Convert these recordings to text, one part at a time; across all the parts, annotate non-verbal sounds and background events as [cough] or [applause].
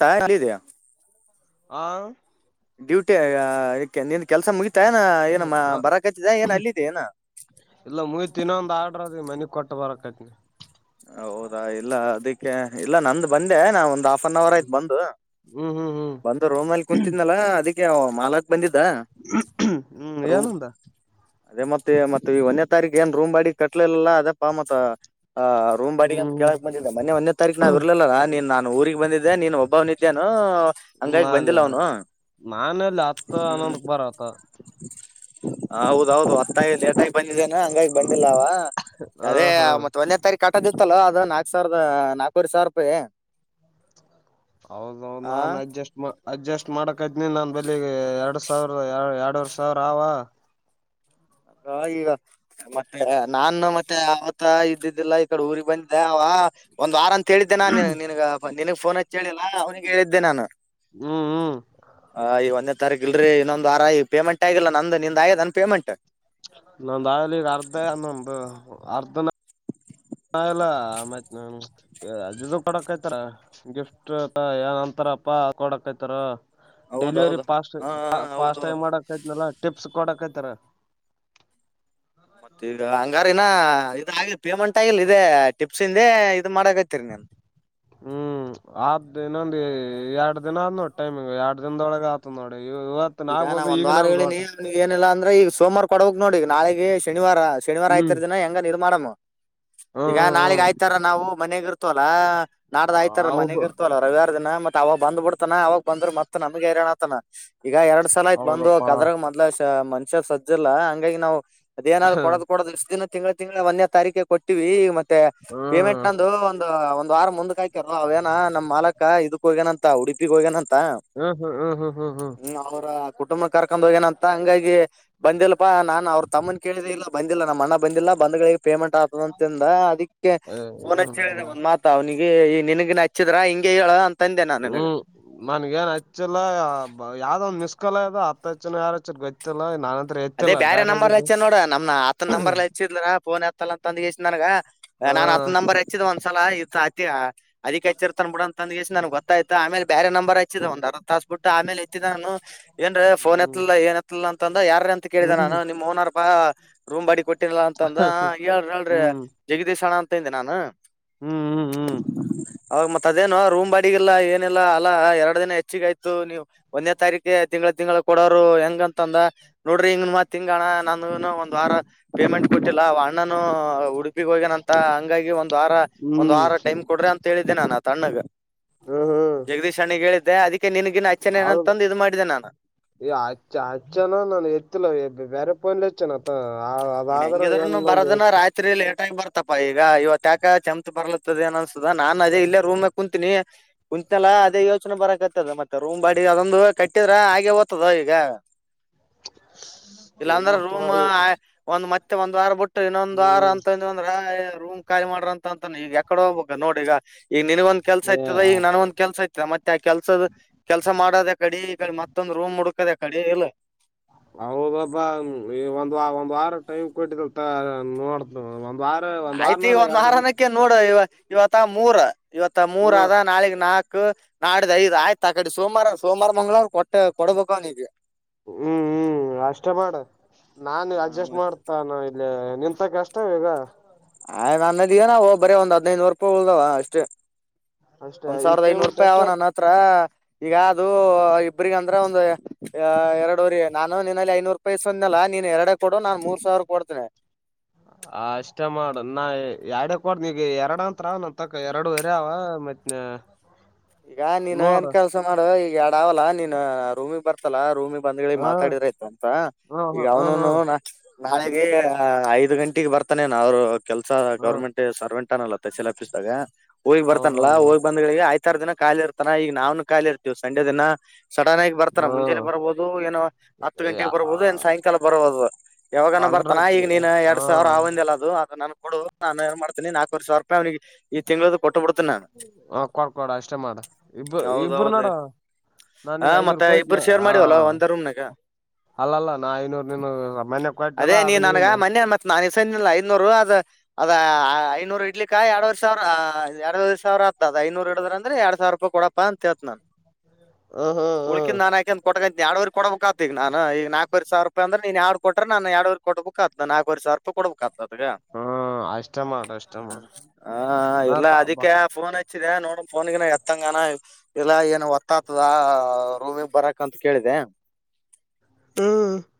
ತಾಕೀದಿಯಾ? [inaudible] ಹಾ ಡ್ಯೂಟಿಯಾಗಾ ನಿನ್ನ ಕೆಲಸ ಮುಗಿತ್ತ. ಟೈನ್ ಏನ್ ಮಾ ಬರಕತ್ತಿದೆ ಏನ ಅಲ್ಲಿದೆ ಏನ. [inaudible] ಕೋಟ್ಟ ಬರತಿ. ಹೌದಾ ಇಲ್ಲ ಅದಿಕ್ಕೆ ಇಲ್ಲ ನಂದ ಬಂದೆ ನಾವ ಒಂದ. ಒಂದ್ ಹಾಫ್ ಅನ್ ಅವರ್ ಆಯ್ತು ಬಂದು ಹ್ಮ್ ಹ್ಮ್ ಬಂದು ರೂಮ್ ಅಲ್ಲಿ ಕುಂತಿದ್ನಲ ಅದಕ್ಕೆ ಮಾಲಕ್ಕ ಬಂದಿದ್ದ ಹ್ಮ್ ಹ್ಮ್ ರೂಮ್ ಏನಂದ ಅದೇ ಮತ್ತೆ ಮತ್ತ ಈ ಒನ್ನೆ ತಾರೀಕ ಏನ್ ರೂಮ್ ಬಾಡಿಗೆ ಕಟ್ಲಲಲ್ಲಾ ಅದಪ್ಪಾ ಮತ್ತ. ಆ ರೂಮ್ ಬಾಡಿಗೆ ಅಂತಾ ಹ್ಮ್ ಕೇಳಕ್ಕ ಬಂದಿದಾ ಮೊನ್ನೆ ಒನ್ನೆ ತಾರೀಕ ನಾವ್ ಇರ್ಲಲಿಲ್ಲ ನೀನ್ ನಾನ ಊರಿಗೆ ಬಂದಿದ್ದೆ ನೀನ ಒಬ್ಬವ ಇದ್ದನೆನೂ ಹ ಹಂಗಾಗಿ ನಾನ್ ಬಂದಿಲ್ಲ ಅವನು? ನಾನಲ್ಲಿ ಹತ್ತ ಹನೊಂದಕ್ಕ ಬರತ ಹೌದ ಹೌದ ಹೊತ್ತಾಗಿ ಲೇಟಾಗಿ ಬಂದಿದ್ದೇನ ಹಂಗಾಗಿ ಬಂದಿಲ್ಲ ಅವ ಹ ಅದೇ ಹಾ ಮನು ಸರಿ ಕಟ್ಟೋದಿತ್ತಲ್ಲ ಅದು ನಾಕ ಸಾವಿರದ ನಾಲ್ಕವರಿ ಸಾವಿರ ರೂಪಾಯಿ. ಅವರದ್ ಅವರ ಆ ನಾನ್ ಅಡ್ಜಸ್ಟ್ ಮಾ ಅಡ್ಜಸ್ಟ್ ಮಾಡಕ ಅದನಿ ಅಲ್ ನನ್ನ ಬಲಿಗೆ ಎರಡ್ ಸಾವಿರ ಎರಡೂ ವರಿ ಸಾವಿರ ಆವ ಅ ಈಗ ಮತ್ತೆ ನಾನು ಮತ್ತೆ ಆತ್ತ ಇದ್ದಿದ್ದಿಲ್ಲ ಈ ಕಡೆ ಊರಿಗೆ ಬಂದಿದ್ದೆ ಅವ ಒಂದ್ ವಾರ ಅಂತ ಹೇಳಿದ್ದೆ ನಾನ್ ನಿನ್ಗ ನಿನಗ್ ಫೋನ್ ಹಚ್ಚೇಳಿಲ್ಲ ಅವನಿಿಗೆ ಹೇಳಿದ್ದೆ ನಾನು ಹ್ಮ್ ಹ್ಮ್ ಹ ಈ ಒಂದೆ ತರ್ಗಿಲ್ರರಿ ಇನೊಂದ್ವಾರ ಪೇಮೆಂಟ್ ಆಗಿಲ್ಲ ನಂದು ನಿಂದ್ ಆಯದ ಅನ್ ಪೇಮೆಂಟ್ ನಾವಲಿ ಈಗ ಅರ್ಧ ಅನ್ನೊಂದು ಅರ್ಧನ ನ ಎಲ್ಲ ಮತ್ ಅ ಕೊಡಕ್ಯ್ತಾರ ಗಿಫ್ಟ್ ಏನ್ಂತ ಪ್ಪಾ ಕೊಡಕ್ತಾರ ಡೆಲಿವರಿ ಹೌದೌದು ಫಾಸ್ಟ್ ಹಾ ಹೌದು ಫಾಸ್ಟ್ ಟೈಮ್ ಮಾಡಕ್ೈತ್ನಲ ಟಿಪ್ಸ್ ಕೊಡಕೈತಾರ ಮತ್ತ ಈಗ ಹಂಗಾರನಾ ಇದ ಆಗ ಪೇಮೆಂಟ್ ಆಗಿಲ್ಲ ಇ ಟಿಪ್ಸ ಇಂದ ಅ ಮಾಡಕತೀರಿ ನೀನ್ ಇಲ್ಲಿ ಎರಡ್ ದಿನ ಆದ ನೋಡಿ ಟೈಮಿಂಗ್ ಎರಡ್ ದಿನದೊಳಗ್ ಆತ ನೋಡಿ ಇವತ್ ಈಗ ನಾ ಆಗ್ಬೋದು ಒಂದ್ ಈಗನ ವಾರ ಆಗ್ಬೋದು ಹೇಳಿನನಿ ಒಟ ನೀವು ಏನಿಲ್ಲ ಅಂದ್ರೆ ಈಗ ಸೋಮವಾರ ಕೊಡಕ್ ನೋಡಿ ನಾಳೆೆಗೆ ಶನಿವಾರ ಶನಿವಾರ ಹ್ಮ್ ಆಯ್ತರ ದಿನ ಹೆಂಗ ನೀರು ಮಾಡಮ್ಮ್ ಹ್ಮ್ ಈಗ ಹ್ಮ್ ನಾಳಗ್ ಹ್ಮ್ ಆಯ್ತಾರ ನಾವು ಮನೆಗ ಇರ್ತವಲ್ಲಾ ನಾಡ್ದ ಆಯ್ತಾರ ಮನೆಗ ಹೌದು ಇರ್ತವಲ್ಲ ರವಾರ ಮತ್ತತ್ ಅವಾಗ ಬಂದ್ ಬಿಡ್ತಾನ ಅವಾಗ ಬಂದ್ರ ಮತ್ತತ್ ನಮ್ಗೆ ಹೈರಾಣ್ ಆತನ ಈಗ ಎರಡ್ ಸಲ ಆಯ್ತ್ ಬಂದ ಹೌದಪ್ಪಾ ಕದ್ರಾಗ ಮೊದ್ ಮನುಷ್ಯ ಸಜ್ಜಲ್ಲ ಹಂಗಾಗಿ ನಾವವು ಅದೇನಾದ್ ಹ್ಮ್ ಕೊಡದ ಕೊಡದ್ಷ್ಟ ದಿನ ತಿಂಗಳು ತಿಂಗಳಳ ಒಂದೇ ತಾರೀಕೆ ಕೊಟ್ಟಿವವಿ ಈ ಮತ್ತೆ ಮತ್ತೆ ಪೇಮೆಂಟ್ ನಂದು ಒಂದು ದ್ವಾರ ಮುಂದ್ ಹಾಯಕರ ಅವ ೇನ ನಮ್ ಮಾಲಕ ಇದಕ್ಕ ಹೋಗೇನ ಅಂತ ಉಡುಪಿಗ್ ಹೋಗೇನಂತ ಹ್ಮ್ ಹ್ಮ್ ಹ್ಮ್ ಹ್ಮ್ ಹ್ಮ್ ಹ್ಮ ಅವರ ಕುಟುಂಬ ಕರ್ಕೊಂಡ್ ಹೋಗೇನಂತ ಹಂಗಾಗಿ ಬಂದಿಲ್ಪಾ ನಾನ್ ಅವ್ರ ತಮ್ಮನ್ ಕೇಳಿದ ಇಲ್ಲ ಬಂದಿಲ್ಲ ನಮ್ಮ ಅಣ್ಣ ಬಂದಿಲ್ಲ ಬಂದ್ಗಳ ಪೇಮೆಂಟ್ ಆತದ ಅಂತಿಂದ ಅದಕ್ಕೆ ಫೋನ್ಚ್ಚ ಹ್ಮ್ ಒ ಮಾತ ಅವನ ಈ ಈ ನಿನಗೆ ನಚ್ಚಿದ್ರ ಹಿಂಗಗೆ ಹೇಳ ಅಂತಂದೆ ನಾನ್ ನಿನಗ ಹ್ಮ್ ಮನ್ಗೇನ್ ಹಚ್ಚಲ್ಲ ಯಾವ್ದ ಒ್ ಮಿಸ್ಕಲ ಇ ಅದು ಹಚ್ಚನ ಯಾರಚ್ಚ ಗೊತ್ತಿಲ್ಲ ನ ಅದೇ ಬೇರೆ ನಂಬರ್ ಹಚ್ಚೇ ನೋಡ ನಮ್ ಆತನ ಹಾ ನಂಬರ್ಲ್ ಹಚ್ಚಿದ್ರಫೋನ್ ಹತ್ತಲ್ಲ ಅಂದಗೆಷ್ಟ ನನ್ಗ ನಾನ್ ಹತ್ ನಂಬರ್ ಹೆಚ್ಚಿದ್ ಒಂತ ಸಲ ಇತಿ ಅದಕ್ ಹಚ್ಚಿರ್ತಾನ ಬಿಡಂತ ತಂದ್ ನನ್ಗ್ ಗೊತ್ತಾಯ್ತ ಆೇಲೆ ಬೇರೆ ನಂಬರ್ ಹಚ್ಚಿದಿದೆ ಒಂದ್ರ್ ತಾಸ ಬಿಟ್ಟ ಆಮೇಲೆ ತ್ತಿದ್ದ ನಾನು ಏನ್ರ ಫೋನ್ ಹ್ಮ್ ಎತ್ತಲ್ಲಾ ಏನ್ ಎತ್ತಲ್ಲ ಅಂತಂದ ಯಾರ ಅಂತ ಕೇಳಿದೆ ನಾನು ಹ್ಮ್ ನಿಮ್ಮ್ ಓನರ್ ಬಾ ರೂಮ್ ಬಾಡಿ ಕೊಟ್ಟಿರಲ್ಲಾ ಅಂತಂದ ಹ್ಮ್ ಹೇಳಿ ಹೇಳ್ರಿ ಹ್ಮ್ ಜಗದೀಶ್ ಹಣ ಅಂತಂದೆ ನಾನು [inaudible] ಹ್ಮ್ ಹ್ಮ್ ಹ್ಮ್ ಹ್ಮ್ [unintelligible] ಅವಾಗ ಮತ್ ಅದೇನು ರೂಮ್ ಅಡಿಗಿಲ್ಲಾ ಏನಿಲ್ಲ ಅಲ್ಲಾ ಎರಡು ದಿನ ಹೆಚ್ಚಿಗ ಆಯ್ತು ನೀವು ಒಂದೇ ತಾರೀಕ ತಿಂಗಳು ಎ ತಿಂಗಳ ಕೊಡೋರು ಹೆಂಗಂತಂದ ನೋಡ್ರಿ ಇ ಮತ್ ತಿಂಗಣ ನನ್ಗ ಒಂದ್ ವಾರ ಪೇಮೆಂಟ್ ಕೊಟ್ಟಿಲ್ಲ ನಾನು ಉಡುಪಿಗ್ ಹೋಗ್ಯನ ಅಂತ ಹಂಗಾಗಿ ಒಂದು ವಾರ ಒಂದ್ ಹ್ಮ್ ವಾರ ಟೈಮ್ ಕೊಡ್ರೆ ಅಂತ ಹೇಳಿದ್ದೆ ನಾನು ಅ ತಣ್ಣಗ ಹ್ಮ್ ಜಗದೀಶ್ ಅಣ್ಣಿಗೆ ಹೇಳಿದ್ದೆ ಅದಿಕ್ಕೆ ಹೌದು ಈ ಆ ಆಜ ಜನ ನನ್ ಎ [unintelligible] ಇ ಬೇರೆ ಪಯಂಲಿಚ್ಚಾನ ಅತ ನೀನ್ ಹೆಂಗಿದ್ರನು ಬರೋದನ್ನ ರಾತ್ರಿಯಲ್ಲಿ ್ ಬರ್ತಪಾ ಈಗ ಇವತ್ತುಾಕ ಚಮತ್ ಬರ್ಲತ್ತದ ಏನ್ ಅನ್ಸುದ ನಾನನ್ ಅದೇ ಇಲ್ಲೇ ರೂಮ್ ಕುೂಂತೀಿನಿ ನಿಂತನೆಲ್ಲಾ ಅದೇ ಯೋಚನೆ ಬರಕತ್ತದ ಮತ್ತೆ ರೂಮ್ ಬಾಡಿ ಅದೊಂದು ಕಟ್ಟಿದ್ರ ಹಾಗೆ ಓ್ತದ ಈಗ ಇಲ್ಲಾಂದ್ರೆ ಇಲ್ಲಪ್ಪ ರೂಮ್ ಒ ಮತ್ತೆ ಒಂದ್ ವಾರ ಬಿಟ್ಟು ಇನ್ನೊಂದ್ ವಾರ ಹ್ಮ್ ಅಂತ ಒ ರೂಮ್ ಖಾಲಿ ಮಾಡ್ರ ಅಂತ ಅಂತಾನ ಈಗ ಯಕಡೆ ಹೋಗ್ಬಬೇಕ ನೋಡಿ ಈಗ ಈಗ ನನ್ಗೊಂದ್ ಕೆಲಸ ಏ ಇಐತದ ಈಗ ನನ್ೊಂದ್ ಕೆಲಸ ಐತ ಮತ್ತೆ ಆ ಕೆಲ್ಸದ ಕೆಲಸ ಮಾಡೋದ ಕಡೆ ಈೆ ಮತ್ತೊಂದು ರೂಮ್ ಹುಡುಕದ ಕಡೆಲ್ಲ ಹೌದಬ ಈ ಒಂದ್ ಒಂದ್ ವಾರ ಟೈಮ್ ಕೊಟ್ಟಿದಲ್ ನೋಡ್ ಆಯ್ತು ಈ ಒಂದ್ ವಾರನಕ್ಕೆ ನೋಡ ಇವ ಇವತ್ತ ಮೂರ್ ಇವತ್ತ ಮೂರ ಹ್ಮ ಅದ ನಾಳಗ್ ನಾಕ್ ನಾಡದ ಐದು ಆಯ್ತಕ್ಕಾಡಿ ಸೋಮವಾರ ಮಂಗಳವಾರ ಕೊಟ್ಟು ಕೊಟ್ಟು ನೋಡಬೇಕು ಅವನಿಗೆ ನಾಷ್ಟ ಮಾಡು ನಾನಿಲ್ಲ ಅಡ್ಜಸ್ಟ್ ಮಾಡ್ತೀನಿ ಇಂಥ ಕೆಷ್ಟವ್ವ ಈಗ ನನ್ನದೇನು ಅವು ನನ್ನತ್ರ ಒಂದು ಸಾವುರಾದ ಐದು ನೂರುಅಷ್ಟೇ ಅಷ್ಟೇ ಒಂದ್ ಈ ಸಾವಿರದ ಐನೂರು ಪೇಮೆಂಟ್ ರೂಪಾಯಿ ಅಷ್ಟ ಅವ ನನ್ನ ಹತ್ರ ಈಗ ಅದು ಇಬ್ರಗಂತ ಅ ಒಂದು ಎರಡರಿ ನಾನು ನಿನ್ನಲ್ಲಿ ಐನೂರು ರೂಪಾಯಿಸ್ಂದನಲ್ಲಾ ನೀನ್ ಎರಡಡೆ ಕೊಡು ನಾನ್ ಮೂರ್ ಸಾವಿರ ಕೊಡ್ತೀನಿ [inaudible] ಆ ಅಷ್ಟೇ ಮಾಡ ನಾ ಎರಡು ಕೊಡ್ತೀನಿ ನೀಗ ಎರಡು ಅಂಂತತ್ರ ನ ತಕ್ಕ ಎರಡು ವರಿ ಮತ್ ಈಗ ನೀನು ನೋಡ ಏನ್ ಕೆಲ್ಸ ಮಾಡುವ ಈಗ ಎರಡ ಅವಲ್ಲಾ ನೀನ್ ರೂಮಿಗ್ ಬರ್ತಲ್ಲಾ ರೂಮಿ ಬಂದ್ಗಳಿಗೆ ಹಾ ಮಾತಾಡಿದ್ರಾಯ್ತ ಅಂತ ಹಾ ಈಗ ಹಾ ಹಾ ಹಾ ಅವ್ನುನು ನಾ ನಾಳೆಗೆ ಐದ್ ಗಂಟೆಗೆಗ್ ಬರ್ತಾನೆ ನ ಅವರು ಕೆಲ್ಸ ಹಾ ಗೌರ್ಮೆಂಟ್ ಸರ್ವೆಂಟ್ ಫೇಸಲ್ ಆಫೀಸ್ ದಾಗೆಗಹೋಗಿ ಬರ್ತಾನಲ್ಲಾ ಹೌದೌದು ಹೋಗಿ ಬಂದ್ಗಳಿಗೆ ಆಯ್ತ ಇತ್ತರ ದಿನ ಖಾಲಿ ಇರ್ತಾನ ಈಗ ನಾವ್ನ್ ಖಾಲಿರ್ತೀವಿ ಸಂಡೆ ದಿನ ಸಡನ್ ಆಗ್ ಬರ್ತಾನೆ ಮುಂಜಾನೆ ಹ್ಮ್ ಬರಬಹುದು ಏನು ಹಾತುಗಂಟೆಗೆ ಬರಬಹುದು ಸಾಯಂಕಾಲ ಬರಬಹುದು ಯಾವಾಗ ಬರಬಹುದು ಅಂದ್ರ ಬರ್ತಾನ ಈಗ ನೀನ್ ಹಾ ಎರಡ್ ಸಾವಿರ ಅದು ನನ್ ಕಡೆ ಕೊಡು ನಾನು ಏನ್ ಮಾಡ್ತಿನಿ ನಾಲ್ಕವ ವರಿ ಸಾವಿರ ರೂಪಾಯಿ ಸಾವಿ ರಪಾಯ್ನಿಗೆ ತಿಂಗಳು ಕೊಡು ಕೊಡು ಅಷ್ಟೇ ಮಾಡ ಇಬ್ಬರ ಇಬ್ಬರು ಹೌದೌದು ನಡ ನಾನ್ ಹಾ ನಿಂಗ ಮತ್ತ ಐನೂರು ಕೋಯಟ್ ಇಬ್ರು ಶೇರ್ ಮಾಡಿವಲ್ಲ ಒಂದ ರೂಮ್ನಾಗ ಅಲ್ಲ ಅಲ್ಲ ನಾ ಐನೂರು ನೀನು ಮನ್ನೆ ಕೊಟ್ನಲ್ಲ ಅದೇ ಅದ ನೀನ್ ನಿನಗೆ ಮೊನ್ನೆ ನಾನು ಸ್ಣಿಲ್ಲಲ್ಲ ಐನೂರು ಅದ್ ಅದ ಐನೂರು ಇಡ್ಲಿ ಕಾಯಿ ಎರಡ್ವರೆ ಸಾವಿರ ಎರಡು ಸಾವಿರ ಆತ್ದ ಐನೂರ್ರಡದ ಅಂದ್ರೆ ಎರಡು ವರಿ ರೂಪಾಯಿ ಕೊಡಪ್ಪ ಅಂತ ಹೇಳ್ತಿನ್ ನಾನು ಹ್ಮ್ ಹ್ಮ್ [unintelligible] ಓಕೆ ಹ್ಮ್ ನಾನ್ ಯಾಕೆ ಕುಡ್ಕೊಂತೀನಿ ಎಡುವರಿ ಕೊಡ್ಬೇಕ ಅದು ನಾನು ಈಗ ನಾಕವ ಸಾವಿರ ರೂಪಾಯ ಅ್ರ ನೀನು ಹೇಳ್ಕೊಟ್ಟೆ ನು ಎರೂರು ಕೊಡ್ಬೇಕುತ್ ನಾಲ್ವ ಸಾವರ ರೂಪಾಯಿ ಕೊಬೇಕುಕ್ತ್ ಹ್ಮ್ ಅಷ್ಟೇ ಮಾಡ ಅಷ್ಟೇ ಮಾಡ ಹ ಇಲ್ಲ ಹ್ಮ್ ಅದಕ್ಕೆ ಫೋನ್ ಹಚ್ಚಿ ಹಚ್ಚಿದೆ ನೋಡ ಫೋನು ಎತ್ತಂಗನಾ ಇಲ್ಲಾ ಏನು ಒತ್ತಾತದ ಊರಿಗೆ ಬರಾಕೆ ಅಂತ ಕೇಳಿದೆ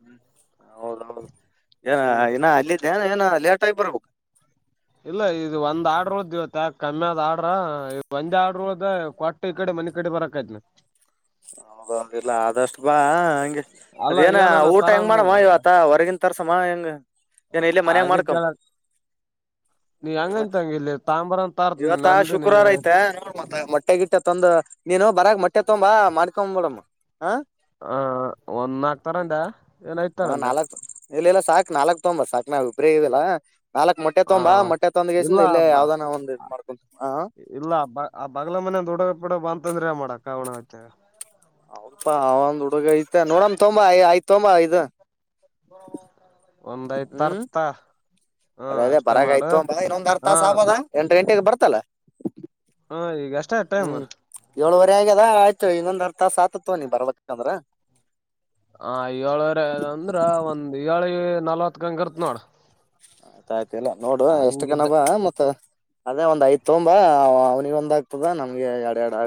ಹ್ಮ್ [inaudible] ಹೌದೌದು ಏನ ಹ್ಮ್ ಇನ ಅಲ್ಲಿದ್ದೇ ಏನ ಲೇಟ್ ಆಗ ಬರಬೇಕು ಇಲ್ಲ ಇದು ಒಂದು ಹಾರ್ಡ್ ಉಳಿತು ಇವತ್ತು ಕನ್ಯದು ಆರ್ಡರಒಂದ್ ಆರ್ಡ್ರ್ದ ಕೊಟ್ಟ ಈ ಕಡೆ ಮನೆ ಕಡೆ ಬರಬೇಕಾಗಿತ್ತು ಹೌದೊಂದಿಲ್ಲ ಆದಷ್ಟು ಬಾ ಹಂಗೆ ಅಲ್ಲ ಅದೇನ ಏನನ ಊಟ ಹೆಂಗ್ ತರನ್ ಮಾಡಮ್ಮ ಇವತ್ತ ಹೊರಗಿಂತ ಹೊರಗಡೆ ತರ್ಸನೆಯನ್ನು ಇಲ್ಲೇ ಮನೆ ಅದ ಮಾಡಿಕೊಂಡು ಕೇಳಕ್ ನೀ ಹೆಂಗಂತ ಹಂಗ ಇಲ್ಲಿ ತಾಂಬರ ತಾರ್ತ್ ಇವತ್ತು ನಂದು ನೀ ಶುಕ್ರವಾರ ಐತೆ ಮತ್ತೆ ಮಟನ್ ನೀನು ಬರಗ್ ಮಟ್ಟೆ ತೊಂಬ ಮಾಡ್ಕೊಬಡಮ್ಮ ಹ ಒಂದ ನಾಕ ತರಂದ ಏನ್ ಐದ ಹ ತರನ ನಾಲ್ಕ್ ಇಲ್ಲ ಇಲ್ಲಾ ಸಾಕು ನಾಲ್ಕ್ ತಮ್ಮ ಸಾಕು ನಾವಿಬ್ರೆದಿವಲ್ಲ ನಾಲ್ಕು ಮೊಟ್ಟೆ ಆ ತುಂಬಾ ಹೊಟ್ಟೆ ಇಲ್ಲ ತುಂಬಿಲ್ಲ ಬ ಯಾವುದನೀಟ್ ಮಾಡಿಕೊಂಡು ಬಾ ದದುಡ ಬಿಡ ಬ ಅಂತಂದ್ರೆ ಮಾಡಕ ಅವಣ ಆಯ್ತ ಹೌದಪಾ ಅವ ಒಂದ್ ಹುಡುಗ ಇದ್ದ ನೋಡಮ್ಮ ತೊಂಬ ಆಯ್ತ್ ತಂಬ ಒಂದು ಇದು ತರ್ತಿನ್ ತಾ ಅದೇ ಅದೇ ಬರಾಗ ಆಯ್ತು ಒಂದೇ ತಾಸ್ ಆಗಬಹುದಲ್ಲ ಎಂಟು ಗಂಟೆಗೆ ಬರ್ತಲ್ಲ ಹಾ ಈಗ ಅಷ್ಟೇ ಟೈಮ್ ಹ್ಮ್ ಏಳುವರೆ ಆಗ್ಯದ ಆಯ್ತು ಇನ್ನೊಂದ್ ಅರ್ಥ ಸಾತತ್ವನಿ ಬರ್ಬೇಕಂದ್ರ ಏಳುವರೆ ಆಗಿದೆ ಅಂದ್ರೆ ಒಂದು ಏಳು ನಲವತ್ತು ಕ್ಕೆ ಅಲ್ಲಿರ್ತಿ ನೋಡು ಆಯ್ತಾ ನೋಡು ಇಷ್ಟ ಕಣೋ ಆತೋಯ್ತಮ್ಮ ಅವನಿಗೆ ಕೊಡನ ನಾವೇ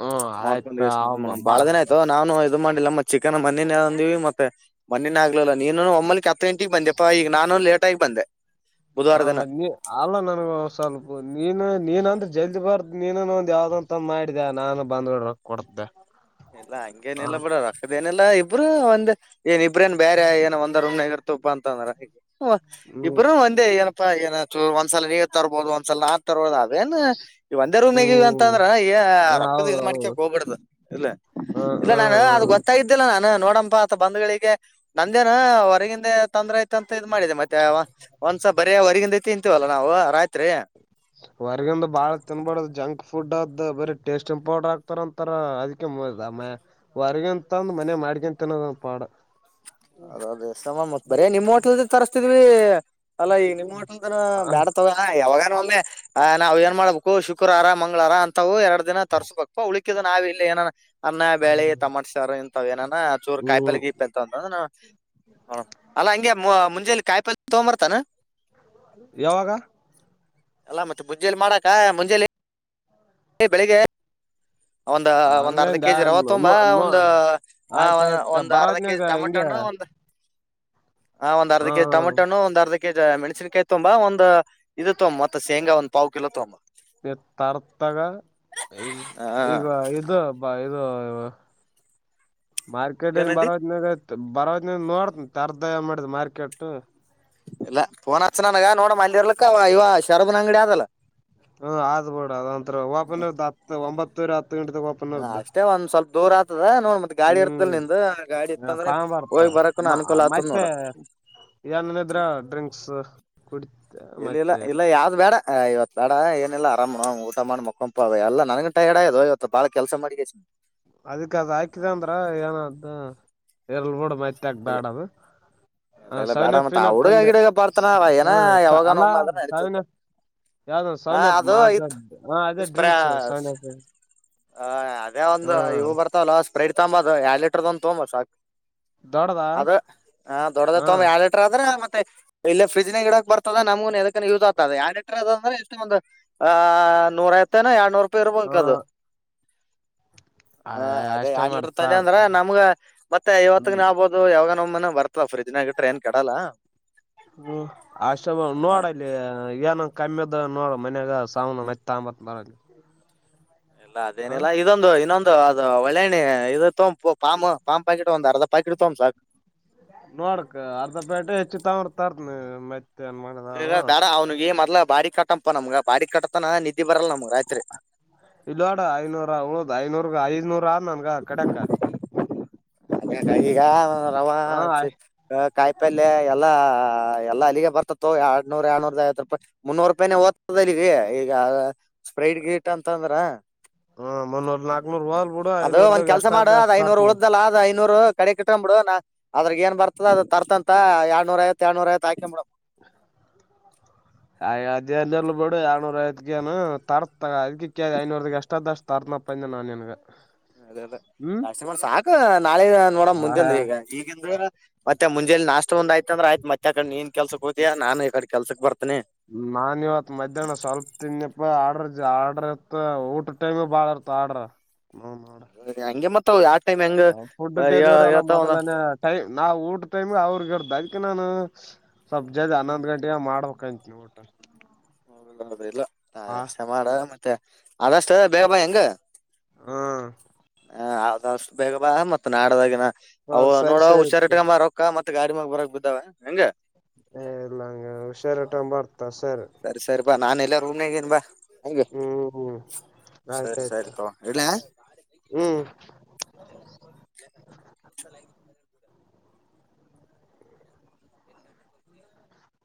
ಹ್ಮ ಆಯ್ತ ಮಾಡ್ಕೊಂಡು ಎಷ್ಟ ಬಾ ಬಾಳ ದಿನ ಆಯ್ತ ನಾನುಯ ಇದ್ದು ಅದು ಮಾಡಿಲ್ಲ ಮತ್ತತ್ ಚಿಕನ್ ಮ್ಣ ಅಂದಿವ ಮತ್ತ ಮಣ್ಣೇ ಆಗ್ಲಿಲ್ಲಲ್ಲ ನೀನು ಒಮ್ಮಲಿ ಗಂಟೆಗೆ ಬಂದೆ ನಾನು ಲೇಟ್ ಆಗಿ ಬಂದೆ ಬುಧವಾರ ಹ ದಿನ ಮತ್ ನೀ ಅಲ್ಲ ನನ್ಗ ಸ್ವಲ್ಪು ನೀನು ನೀನ್ಂದ್ರ ಜಲ್ದಿ ಬರ್ದ ನೀನ ಒಂದ್ ಯಾವ್ದಂತ ಮಾಡಿದ್ಯ ನಾನು ಬಂದ್ಡ [unintelligible] ಕೊಡತ್ಯ್. ಇಲ್ಲ ಹಂಗೇನ ಇಲ್ಲ ಬಿಡ ರೊಕ್ಕದ ಏನಿಲ್ಲಾ ಇಬ್ರು ಒಂದ್ ಏನ್ ಇಬ್ರೇನ್ ಬ್ಯಾರೆ ಏನ ಒಂದ ರೂಮನ್ಯಾಗ್ ತೇವಪ್ಪಾ ಅಂತಂದ್ರ [unintelligible] ಹ್ಮ್ ಇಬ್ಬರು ಒಂದೇ ಏನಪ್ಪಾ ಏನ. ತೂ ಒಂದ್ಸಲ ನೀವು ತರ್ಬೋದು ಒಂದ್ಸಲ ನಾ ತರ್ಬೋದು. ಅವೇನ್ ಈ ಒಂದೇ ರೂಮನಾಗಿವ ಅಂತ ಹ್ಮ್ ಅಂದ್ರ ಈ ರೊಕ್ಕದ ಇದ್ ಹೌದೌದು ಮಾಡ್ಕಕ್ ಹೋಬ್ಯಡ್ದು ಇಲ್ಲ. ಹ ಹ ಇಲ್ಲ ನಾನು ಹ ಅದು ಗೊತ್ತಾಗಿದ್ದಿಲ್ಲ. ನಾನ ನೋಡಮಬಾ ಆತ ಬಂದ್ಗಳಿಗೆ ನಂದೇನ ಹೊರಗಿಂದೆ ತಂದ್ರ ಆಯತಂತ. ತ ಇದ್ ಮಾಡಿದೆ ಮತ್ತೆ ಒಂದ್ಸ ಬರಿ ಹೊರ್ಗಿಂದ ತಿಂತೀವಲ್ಲ ನಾವು ರಾತ್ರಿ. ಹೊರ್ಗಿಂದು ಬಾಳ ತಿನ್ಬಡ್ದ್ ಜಂಕ್ ಫುಡ್ ಅದ ಬರಿ ಟೇಸ್ಟಿಂಗ್ ಪೌಡರ್ ಹಾಕ್ತರಂತರ ಅದಕ್ಕೆ ೌ ಆ [unintelligible] ಹೊರ್ಗಿನ್ ತಂದ ಮನೆ ಮಾಡ್ಕಂತಿನ್ನೋದ ಪಾಡ. ಅದ ಅದೇ ಬ [unintelligible] ಮತ್ ಬರೆ ನಿಮ್ ಹೋಟ್ಲದೆ ತರ್ಸ್ತಿದ್ವಿ. ಅಲ್ಲಾ ಈ ನಿಮ್ಮ್ [unintelligible] ೋಟದಾರ ಬ್ಯಾಡ ತಗೋನ ಯಾವಾಗ ಒಮ್ಮೆ ನಾವ್ ಏನ್ ಮಾಡ್ಬೇಕು ಶುಕ್ರವಾರ ಮಂಗಳವಾರ ಹಂತವು ಎರಡ ದಿನ ತರ್ಸ್ಬೇಕು [unintelligible] ಅವಳ ನಾವ ಇಲ್ಲಿ ಏನನ ಅನ್ನ ಬ್ಯಾಳಿ ತಮಾಟಿ ಸಾರ ಹಿಂತವ ಏನನ ಚೂರು ಹ್ಮ್ ಕಾಯಿಪಲ್ಯಗೀಪಲ್ಯ್ ಎ [unintelligible] ಅಂತ ಅಂದ್ರ ನವು [unintelligible] ಹ ಅಲ್ಲಾ ಹಂಗೆ ಮೂ ಮುಂಜಲಿ ಕಾಯಿಪಲ್ ತೊಂಬರ್ತೇನು. ಯಾವಾಗ. ಅಲ್ಲಾ ಮತ್ತೆ ಮುಂಜೇಲಿ ಮಾಡಾಕ ಮುಂಜೆಲಿ. [unintelligible] ಬೆಳಿಗ್ಗೆ ಒಂದು ಒಂದ್ ಅರ್ಧ ಹಂಗಂದ ಕೆಜಿ ರವ ತೊಂಬ ನೋ ನೋ ಒಂದು ಆ ಆಯ್ತಾಯ್ತ ಒಂದ್ ಅರ್ಧ ಕೆಜಿ ಬರೋದ್ನಾಗ ಟಮೋಟ ಹಿಂಗೆ ಹಣ್ಣು ಒಂದು. [inaudible] ಹಾ ಒಂದ್ ಅರ್ಧ ಕೆಜಿ ಟಮಟೋ ಹ ಹಣ್ಣು ಒಂದ ಅರ್ಧ. ಕೆಜ್ ಮೆಣಸನ್ಕಾಯಿ ತೊಂಬ ಒಂದು ಇದು ತೊಂಬ ಮತ್ತ ಶೇಂಗಾ ಒಂದ್ ಪಾವು ಕಿಲೋ ತೊಂಬ [unintelligible] ತರತಾಗ ಈ ಹಾ ಈಗ ಇದು ಬ ಇ [unintelligible] ಮಾರ್ಕೆಟಿಂದ ಏನಂದಿ ಬರಾತನ್ಯಗ ನ [unintelligible] ಬರೋವತನ್ಯಾಗ ನೋಡ ತೆರದ್ ಏನ್ ಮಾಡ್ಯದ್ ಮಾರ್ಕೆಟು. ಇಲ್ಲ ಪೋನ್ ಹಚ್ಚ ನನಗ ನೋಡಮಲ್ಲಿ ಇರ್ಲಕ್ಕ ಇವ ಶರದ್ನ ಅಂಗಡಿ ಅದಲ್ಲ. ಹ್ಮ್ ಆದ ಬೀಡ ಅದಂತ್ರ ಓಪನ ಹ [unintelligible] ಒಂಬತ್ತುವರಿ ಹತ್ತ. ಅಷ್ಟೇ ಒಂದ್ ಸ್ವಲ್ಪ ದೂರ ಆತದ ನೋಡ್ ಮತ್. ಗಾಡಿ ಇರ್ತಲ್ ಹ್ಮ್ ನಿಂದ ಗಾಡಿ ಇತ್ತಂದ್ರ ತಗೊಂಬರ್ತ ಹೋಗಿ ಬರಕನು ಮ ಅನುಕೂಲ ಆತದ ನೋಡ. ಮತ್ತೆ ಏನೇನಿದ್ರ ಕುಡಿ ಇಲ್ಲಿಲ್ಲ ಮತ್ತೆ ಇಲ್ಲ ಯಾವ್ದ ಬ್ಯಾಡ ಇವತ್ ಬ್ಯಾಡ ಏನ್. ಎಲ್ಲ ಆರಾಮ್ [unintelligible] ಊಟ ಮಾಡ ಮೊಕಂಪ ಎಲ್ಲ ನನ್ಗ ಟೈರ್ಡ್ ಆಗ್ಯದೋ ಇವತ್ತು ಬಾಳ ಕೆಲಸ ಮಾಡಿಕೆಸಿ ಅದಕ್ ಅದ ಹಾಕಿದ ಅಂದ್ರ ಏನ ಅದ ಇರ್ಲ ಬಿಡ ಮೈತಿ [unintelligible] ತ್ಯಾಕ ಇಲ್ಲ ಬ್ಯಾಡ ಅದು. ಹ ಇಲ್ಲ ಬೇಡ ಮತ್ ಸಾವಿನಫಿನ ಆ ಹುಡುಗ ಪಂದೆ ಗಿಡುಗ ಬರ್ತಾನ ಹ ಏನ ಯಾವಾಗನ ಅಲ್ಲಾ ಒಮ್ಮೆ ಅದ್ರ ಸಾವಿನ ನಡೀತದ [unintelligible] ಯಾವ್ದೋ ಹಾ ಸವೆನಪ್ ಅದು ಮಾಜ ಇತ್ ಅದೇ ಡ್ರಿಂಕ್ಸ್ [unintelligible] ಸವೆನಪ್ ಹ ಅದೇ ಒಂದ್ ಇವು ಬರ್ತಾವಲ್ಲ ಸ್ಪ್ರೇಟ್ ತಗೊಂಬದು ಎರಡ್ ಲೀಟ್ರದ ಒಂದ್ ತೋಂಬಾ ಸಾಕ. ದೊಡದಾ. ದೊಡ್ದೆ ತೋಂಬಾ ಎರಡ್ ಲೀಟರಾದ. ಮತ್ತೆ ಇಲ್ಲ ಫ್ರಿಜ್ನಾಗ ಇಡಾಕ್ ಬರ್ತದ ನಮಗ ಎನಿಕಾರ ಯೂಸ್ ಆಗ್ತದೆ ಯಾಡ ಲಿಟ್ರ ಅದ ಅಂದ್ರ ಎಷ್ಟ ಒಂದು ಆ ನೂರ ಐವತ್ತೇನ ಯಾಡ್ನೂರು ರೂಪಾಯಿ ಹಾ ಇರ್ಬೇಕ್ ಅದು. ಹ ಅದೇ ಅಷ್ಟೇ ಯಾಡ್ ಲೀಟರ್ ಮಾಡ್ತಾ ತಂದ್ಯ ಅಂದ್ರ ನಮ್ಗ ಮತ್ತೆ ಇವತ್ತಗ್ನ ಹ್ಮ್ ಆಬೋದು ಯಾವಾಗನ ಒಮ್ಯನೆ ಬರ್ತ. ತ ಫ್ರಜನಾಗ ಇಟ್ರೆ ಏನ್ ಕೆಡಲ್ಲ ಹ್ಮ ಅಸ್ಟೆ [unintelligible] ಮಾಡ್ ನೋಡಲ್ಲಿ. ಏನ ಕಮ್ಮಿದ ನೋಡ ಮನ್ಯಾಗ [unintelligible] ಸಾವ ಮ ತಂಬತ್ [unintelligible] ಬರ ಎಲ್ಲಾ ಅದೇನಿಲ್ಲಾ ಇದೊಂದು ಹಿನೊಂದು. ದು ಅದು ಒಳ್ಳೆಣಿ ಇದು ತೊಮ್ ಪೊ ಪಾಮ್ ಪಾಮ್ ಪಾಕೀಟ್ ಒಂದ್ ಅರ್ಧ ಪಾಕೀಟ್ ತೊಂಬ್ ಸಾಕ. ನೋಡಕ್ ಅರ್ಧ [unintelligible] ಪೇಟೆ ಹೆಚ್ಚು ತರ್ತೀನಿ ಮತ್ತೆ [unintelligible] [unintelligible] ಮಾಡಿದಾಳು ಬ್ಯಾಡ ಅವ್ನಿಗಿ ಮದ್ಲ ಬಾಡಿಗ ಕಟ್ಟಪ್ಪ ನಮ್ಗ ಬಾಡಿ ಕಟ್ಟತನ ನಿ ಇಲ್ನೋಡ ಐನೂರ ಉಳದ್ ಐನೂರ. [unintelligible] ಐದ್ನೂರ ನನ್ಗ ಕಡೆಕ್ಕ. ಈಗ ರವಾ ಹ ಕಾಯಿಪಲ್ಯ ಎಲ್ಲಾ ಆ ಎಲ್ಲ ಅಲ್ಲಿಗೆ ಬರ್ತತ್ತೊ ಎರಡ್ನೂರ್ ಎರಡನೂರ ಐವತ್ತು ರೂಪಾಯಿ ಮುನ್ನೂರು ರೂಪಾಯೇ ಹೋತದ್ ಅಲ್ಲಿಗೆ ಈಗ ಸ್ಪ್ರೈಡ್ ಗೇಟ್ ಅಂತ ಅಂದ್ರ ಹ ಮುನ್ನೂರ್ ನಾಕ್ನೂರ್ ಹೋಲ್ ಬಿಡು ಅದು ಒಂದ ಐನೂರ್ದಾಗ ಕೆಲಸ ಮಾಡ ಎಷ್ಟಾದ ಅದ್ ಅಷ್ಟ ಐನೂರು ತರ್ತನಿ ಉಳ್ದಲ್ಲ ಅದ್ ಐನೂರು ಕಡೆ ಹಾಕ್ ಬಿಡು ನ ಅದ್ರಗ್ ಏನ್ ಬರ್ತದ ಅದ ತರ್ತಂತ ಎಡನೂರಐವತ್ ಏಡನೂರ ಐವತ್ ಹಾಕೊಂಡಂಬ ಬಿಡ ಆ ಅದೇ ಬಿಡು ಎಡರ್ನೂರ ಐದ್ಕನು ತರತ ಅದ ಐನೂರ ಎಷ್ಟಾದ್ ಅಷ್ಟು ತರ್ ಮ ಅಪ್ಪಾಯಂದ ನಾ ನಿನಗ ಅದೇ ಅದಾಷ್ಟ ಮಾಡ ಸಾಕ ನಾಳೆ ನೋಡ ಮುಂದೆ ಹಾ ಅಂದ್ರ ಈಗ ಈ ಮತ್ತೆ ಮುಜಲಿ ನಾಷ್ಟ ಒಂದ್ ಆಯ್ತು ಅಂದ್ರ ಆಯತ್ತ್ ಕಡ ನೀನ್ ಕೆಲ್ಸಕ್ಕೆೋದತಾ ನಾನು ಈ ಕಡೆ ಕೆಲ್ಸಕ್ ಬರ್ತ ನಾನ್ ಇವತ್ ಮಧ್ಯಾಹ್ನ ಸ್ವಲ್ಪ ತಿನ್ನೆ ಆರ್ಡ್ರ ಆರ್ಡ್ರ ಇತ್ ಊಟ ಟೈಮ್ ಬಾಳ ಇರ್ತ ಆರ್ಡ್ರ ನೋ ನೋಡ ಹಂಗೆ ಮತ್ತ ಯಾಕ ಫುಡ್ ಡೆಲಿವರಿ ಅಲ್ಲ ಮೊದಲನೇ ಟೈಮ ನಾವು ಊಟ ಟೈಮಿ ಅವ್ರಗರ್ ಅದ್ ನಾನು ಸ್ವಲ್ಪ ಜದ ಹ್ಮ್ ಹನ್ನೊಂದ್ ಗಂಟೆಗೆ ಮಾಡ್ಬೇಕ ಕಂತ ಊಟ ಇಲ್ಲ ಹ ಅಷ್ಟ ಮಾಡ ಮತ್ತೆ ಅದಷ್ಟ ಬೇಗ ಬಾ ಹಂಗ ಹ್ಮ ಆದಷ್ಟ ಬೇಗ ಬಾ ಮತ್ ನಾಡದಾಗಿನ ಅ ಹ ನೋಡ ಸರಿ ಸರಿ ಹುಷಾರಾಗಿಟ್ಟಕ ರೋಕ್ಕ ಮತ್ತ ಗಾಡಿ ಮಾಗ ಬರಕ್ ಬಿದ್ದಾವ ಹೆಂಗ ಹ ಎಲ್ಲ ಹಂಗ ಹುಷಾರ ಟ ಬರ್ತ ಸರಿ ಸರಿ ಸರಿ ಬಾ ನಾನ ಎಲ್ಲ ರೂಮ್ನಗೇನ್ ಬಾ ಹೆಂಗ ಹ್ಮ್ ಸರಿ ಆಯ್ತಾಯ್ತು ಸರಿ ತಗೋ ಇಡ್ಲಾ ಹ್ಮ್ [unintelligible]